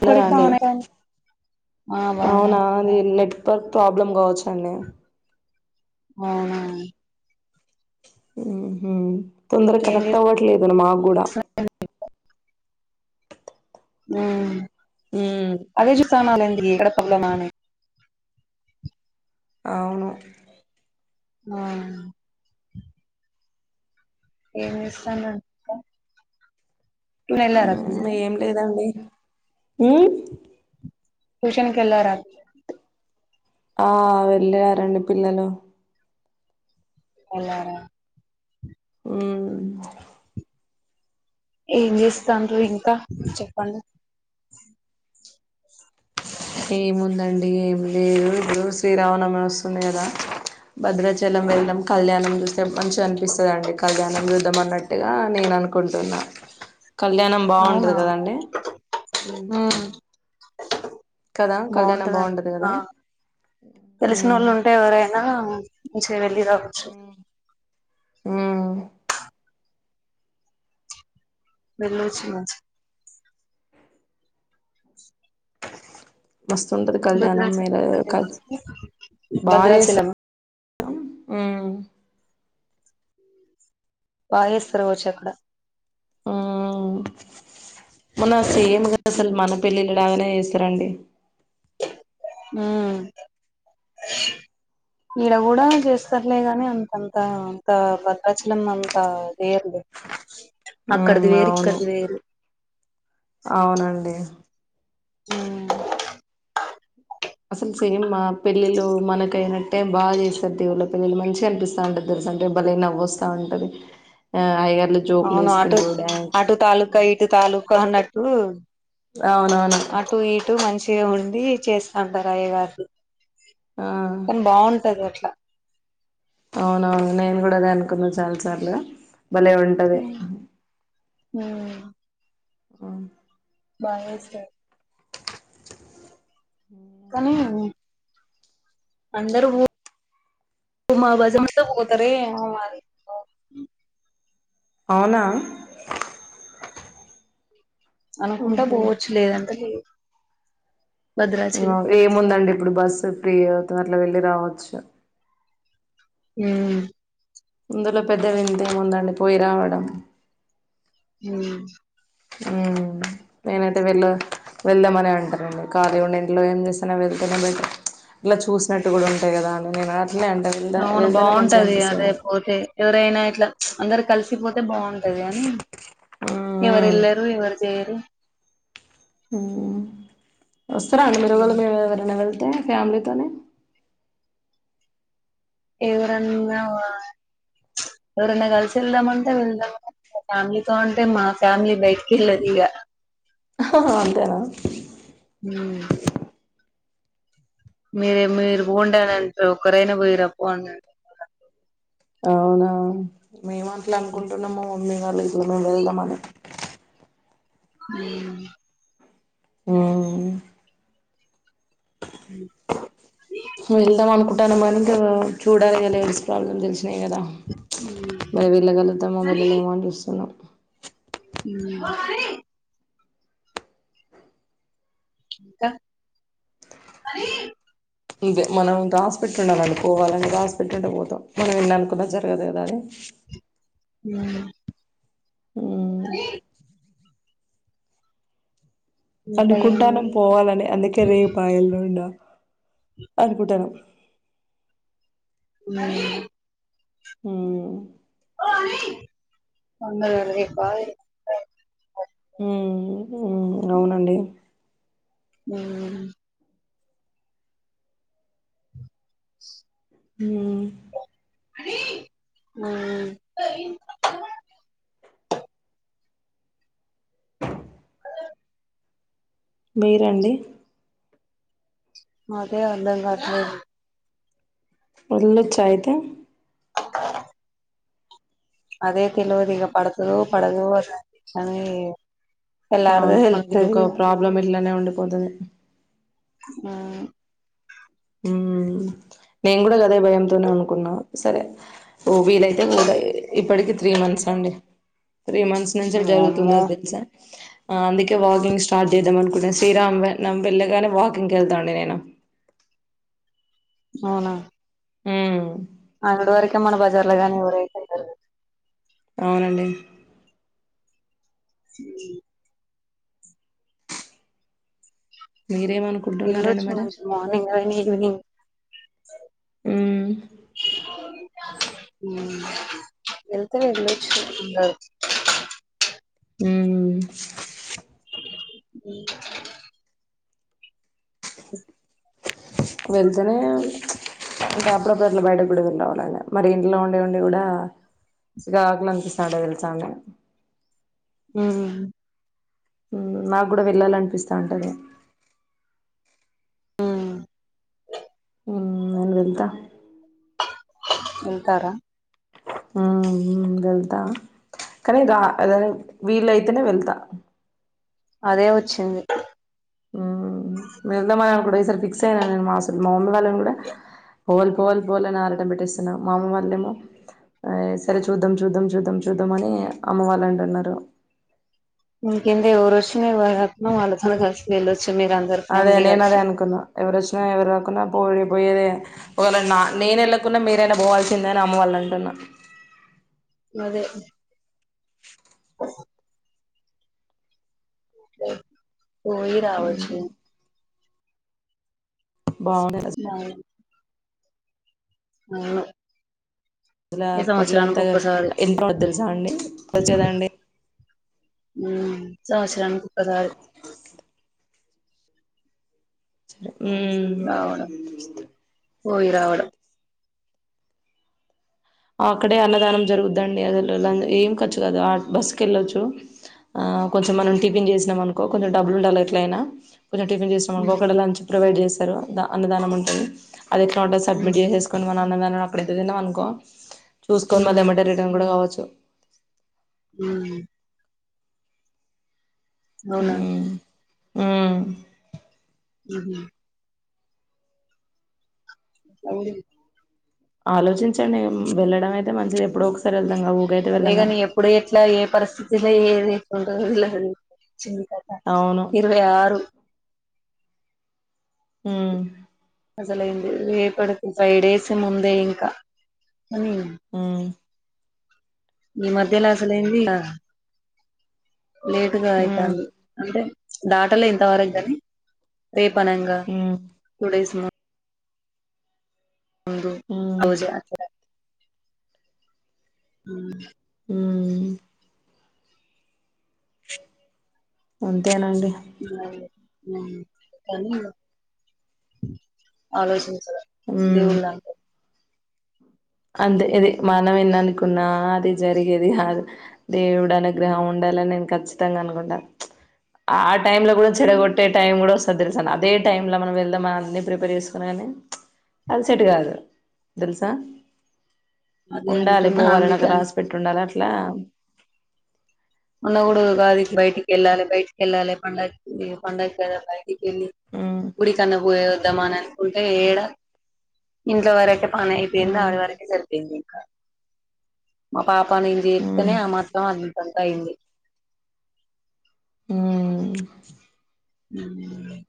ఉన్నదా ఇప్పటికి అండీ ఆన్ అయితాంది ఆ బాగున్నా అవునా అది నేట్, నెట్వర్క్ ప్రాబ్లమ్ కావచ్చ అండి అవునా ఉహు తొందర ఏం కనెక్ట్ చేస్త అవ్వట్లేదు మాకు కూడా ఆ ఉ స్తనాలండి ఇక్కడ పక్కన అవును ఆ ఏం చేస్తానారు, ఇంకా ఉ ఏం లేదండి హు ట్యూషన్ కెళ్ళార ఆ వెళ్ళా రండి పిల్లలు వెళ్ళారా హుమ్ ఏం చేస్తాండ్రు ఇంకా చెప్పండి. ఏముందండి ఏం లేదు ఇప్పుడు శ్రీరామ నవమి వస్తుంది కదా, భద్రాచలం వెళ్ళదాం కళ్యాణం చూస్తాం, మంచిగా అనిపిస్తదండి కళ్యాణం చూద్దాం అన్నట్టుగా నేను అనుకుంటున్నా, కళ్యాణం అవునా బాగుంటది కదండి, హుమ్ ఉమ్ బాగుంటదండి బాగుంటది ఆ కదా తెలిసిన ఉమ్ వోళ్ళు ఉంటే ఎవరైనా, మంచిగా వెళ్ళి రావచ్చు, ఉమ్ వెళ్లొచ్చు మంచిగా [unintelligible] మస్తుంటది కళ్యాణం మీదా భద్రాచలం బాగా చేేస్తారు, భద్రాచలం అవును హు బాగా చేస్తారు కావొచ్చు అక్కడ హుమ్ మొన్న సేమ్ ఉమ్ గా అసలు మన పెళ్ళిళ్ళ లాగానే చేస్తారండి. హుమ్ [unintelligible] ఈడ కూడా చేస్తారులే గానీ అంతంతా అంత భద్రాచలం అంత చేయర్లే, హు అవును వేరు అవునండి హు అసలు సేమ్ మా పెళ్ళిళ్లు మనకయినట్టే బాగా చేస్తారు దేవుళ్ల పెళ్ళిళ్లు మంచిగా అనిపిస్తా అంటది అంటే బలే నవ్వు వస్తా ఉంటది అయ్యగారు అవును ఆటు ఆటు తాలూకా ఇటు తాలూకా అన్నట్టు అవునవును అటు ఇటు మంచిగా ఉండి చేస్ అంటర్ అయ్యగార్లు ఆ కానీ బాగుంటది అట్లా అవునవును నేను కూడా అదే అనుకున్నా చాలా సార్లు భలే ఉంటది ఉమ్ ఆ బాగా చేస్తారు కానీ అందరు మా బంధువులు మొత్తం పోత రే అవునా అనుకుంటా ఉహు పోవచ్చు లేదంటే లేదు భద్రాచలం ఏముందండి ఇప్పుడు బస్సు ఫ్రీ అవుతుంది అట్లా వెళ్ళి రావచ్చు మ్మ్ హ్హ్ ఇందులో పెద్ద వింతేముందండి పోయి రావడం మ్మ్ హ్హ్ మ్మ్ హ్హ్ నేనైతే వెళ్ళ వెళదామని అనే అంటారండి ఖాళీ ఉండి ఇంట్లో ఏం చేస్తామ్ వెళ్తేనే బెటర్ ఇట్లా చూసినట్టు కూడా ఉంటాది కదా అని నేను అట్లే అంట వెళ్దా అవును వెళ్తేనే మంచిగా బాగుంటది అనిపిస్తది అదే నాకు పోతే ఎవరైనా ఇట్లా ప్చ్ అందరు కలిసిపోతే బాగుంటది ఉంటది గానీ అని ఎవరు ఎల్లరు ఎవరు చేయ్యరు మ్మ్ వస్తారా అండి హ్మ్. మేమేమన్న వెళ్తే తే ఫ్యామీలీతోనే ఎవరన్నా ఎవరన్నా కలిసి వెళ్దామంటా వెళ్దాం ఫ్యామిలీ తో అంటే మా ఫ్యామిలీ బయటికి వెళ్ళదు ఇగ హా హ్ అంతేనా ఉ మీరే మీరు బొండనంటే ఒకరైనా పోయరాపో అన్నాడు అవునా మేము అట్లా అనుకుంటున్నాము మమ్మీ వాళ్ళ ఇంటికి మేము వెళ్దామఅని అ మ్మ్ వెళ్దాం అనుకుంటానమ్ గానీ ఇంకా చూడాలఅనేసి ప్రాబ్లమ్ తెలుసి అంతే కదా మరి వెళ్ళగలుగుతామా వెళ్ళలేమో అని చూస్తున్నాం హ్మ్. హరి రా మనం హాస్పిటల్ పండుకోవాలంటే హాస్పిటల్ కి పోతాం మనం ఎం అనుకున్నా జరగదు కదా అది ఆ మ్ అమ్మి ఇంకా అనుకుంటాను ఏముంది పోవాలని అందుకే రేపా ఎల్లుండా అనుకుంటన్నము ఉ మ్మ్ హ్హ్ ఉన్నదా చెప్పాలి మ్మ్ మ్మ్ హ్ అవునండి మ్మ్ హ్హ్ మ్మ్ హ్హ్ ఆ మీరండి అదే అంర్థం కాట్లేదు వెళ్లొచ్చా అయితే అ అదే తెలువదు ఇగ పడుతదో పడదో అని తెల్లారితే అవును మాకు ఇది తెలుత్తది ఒక ఇగ ప్రాబ్లం ఇట్లానే ఉండిపోతది ఆ హుమ్మ్ నేను కూడా గదే భయంతోనే అనుకున్నా సరే ఓ వీలైతే పోత ఇప్పటికి త్రీ మంత్స్ అండి త్రీ మంత్స్ నుంచెలి జరుగుతుంది వామ్మో అది తెలుసా అ అందుకే వాకింగ్ స్టార్ట్ చేద్దాం అనుకున్నా శ్రీరామ్ వెళ్ళగానే వాకింగ్ వెళ్తా అండి నేను అవునా మ్మ్ అనుడు వరకే మన బజార్ లో గానీ ఎవరై వెళ్లారు అవునండి మీరేమనుకుంటున్నారండి వెళ్లొచ్చు మరి మంచిగా మార్నింగ్ కానీ ఈవినింగ్ మ్మ్ హుమ్మ్ వెళ్తే వెళ్లొచ్చు అందరు హుమ్మ్ బ వెళ్తనే అంటే అప్పుడప్పుట్ల బయటక్కూడా వెళ్లి రావాలండి మరి ఇంట్లో ఉండి ఉండి కూడా చిరాకులు అనిపిస్తది ఉంటది తెలుస అండి ఆ హు నాకు కూడా వెళ్ళాలి అనిపిస్తా ఉంటది ఉమ్ హు నేను వెళ్తా వెళ్తారా అ మ్మ్మ్మ్ వెళ్తా కానీ రా ఆ వీలైతేనే వెళ్తా అదే వచ్చింది హు మీ వెళ్దామని కూడా ఈసారి ఫిక్స్ అయిన నేను మా అసలు మా మమ్మి వాళ్ళని కూడా పోవాలి పోవాలి పోవాలని ఆరటం పెట్టిస్తున్నా మా అమ్మ వాళ్ళేమో సరే చూద్దాం చూద్దాం చూద్దాం చూద్దాం అని అమ్మ వాళ్ళు అంటున్నారు ఇకెంది ఎవరొచ్చిన [unintelligible] అదే నేను అదే అనుకున్నా ఎవరోచ్చినా ఎవరు రాకుండా పోడి పోయేదే ఒకవేళ నా నేను వెళ్ళకుంన్నా మీరైనా పోవాల్సిందే అని అమ్మ వాళ్ళు అంటున్నారు అదే ఓ పోయి రావచ్చు బాగున్నా అవును జుల ఈ అప్పట్ల అంత సంవత్సరానికి ఒక్కసారి [unintelligible] తెలుసా అండి [unintelligible] అండి హు సంవత్సరానికి ఒక్కసారి రావడం మ్మ్మ్మ్ పోయి రావడం అక్కడే అన్నదానం జరుగుద్దండి అ ఏం ఖర్చు కాదు ఆ బస్సుకేళ్ళొచ్చు ఆ కొంచం మనం ఉమ్ ఈ టిఫిన్ చేసినమనుకో కొంచెం డబ్బులుండాలి ఎట్లయినా కొంచెం టిఫిన్ చేసాం అనుకో ఉమ్ అక్కడ లంచ్ ప్రొవైడ్ చేశారు దా అన్నదానం ఉంటది అదెట్లా ఉంటది సబ్మిట్ ఉమ్ చేేసోసుకోని మనన్నదాన అక్కడ దిగినమనుకో చూస్కోని ఉమ్ మదమిడే రిడన్ గుడ కావచ్చు ఉమ్ అవునా మ్మ్ ఉహు [inaudible] ఆలోచించండి వెళ్ళడం అయితే మంచిగ ఎప్పుడోకసారి అదేగాని ఎప్పుడు ఎట్లా ఏ పరిస్థితిలో ఏదెట్టుందో చింది కథ అవును ఇరవై ఆరు ఉమ్ మసలైంది రేపటికి ఫైవ్ డేస్ ముందే ఇంకా కానీ మ్మ్ ఈ మధ్యలో అసలేందిగ లేటుగా ఉమ్ అయితాంది అంటే దాటెలో ఇంతవరకు గాని రేప్ అనంగా ఉమ్ టూ డేస్ ముందు ముందు ఉమ్ అవజ ఉమ్ అంతేనండి [inaudible] నీ కాని ఆలోచన మ్మ్ ఇది మనం ఎన్ననుకున్నా అది జరిగేది గాదు దేవుడు అనుగ్రహం ఉండ అలా నేను ఖచ్చితంగా అనుకుంటా ఆ టైమ్ లో గుడ చెడగొట్టే టైం గుడా వస్తది తెలుసాను అదే టైమ్ లో మనం వెళ్దామనన్ని ప్రిపేర్ చేసుకున్నగాని అది సెట్ గాదు దెలుసా అదే ఉండాలి అంటున్నా పోవాలి నాకు అందుకని రాసి పెట్టుండాలి అట్లా ఉన్న కూడుగాదికి బయటికెళ్ళాలే బయటికెళ్ళాలే పండక్కి పండగదా కెళ్ళి ఉమ్ గుడి కన్న పోయద్దామ నని అనుకుంటే ఏడా ఇంట్లో వరకే పనైపొయింది ఉమ్ ఆడి వరకే సరిపోయింది ఇంకా మా పాప పనింది ఉమ్ చెత్తేనే ఆ మాత్రం అంతంత అయింది మ్మ్ ఉ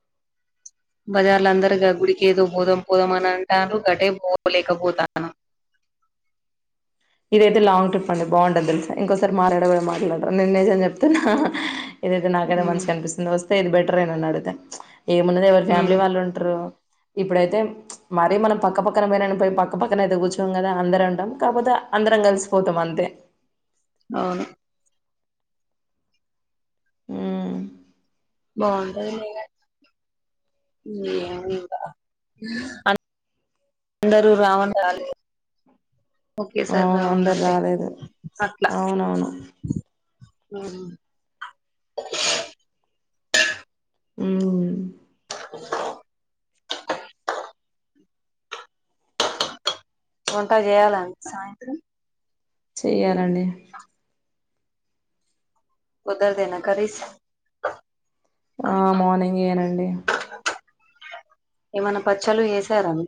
బజార్లందరు గా గుడికేదో బోధం పోదామని అంటారు గటే పోలేకపోతాన ఇదైతే లాంగ్ ట్రిప్ అండి బాగుంటది తెలుసా! ఇంకోసారి మారాడ కూడా మాట్లాడరు నేను నిజం చెప్తున్నా. ఇదైతే నాకైతే ఉమ్. మంచిగనిపిస్తుంది, వస్తే ఇది బెటరే నన్నగుడితే ఏమున్నదే ఎవరు ఫ్యామిలీ ఉమ్. వాళ్ళుంటరు. ఇప్పుడైతే మరీ మనం పక్క పక్కన పోయిన పోయి పక్క పక్కనైతే కూర్చోం గదా అందరంటం కాపోతే అందరం కలిసిపోతం అంతే అవును మ్మ్ బాగుంటది లేగా అన్ అందరూ రావణ్లాలే అవును అందరు రాలేదు అట్ల అవునవును ఆ మ్మ్ వంటా చేయాలం సాయంత్రం చెయ్యాలండి పొడనేద కర్రీస్ ఆ మార్నింగ్ ఏనండి ఏమైనా పచ్చలు చేసారా అండి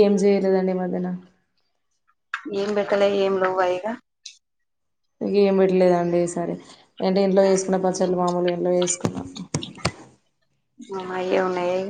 ఏం చేయలేదండి ఈ మధ్యన ఏం బట్టలే ఏం లోవు ఇక [inaudible] ఇక ఏం పెట్టలేదండి ఈసారి అంటే ఇంట్లో చేసుకున్న పచ్చలు మాముూలు ఇంట్లో చేసుకున్నా య అయి ఉనాయి